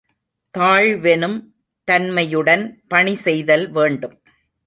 தாழ்வெனும் தன்மையுடன் பணிசெய்தல் வேண்டும்.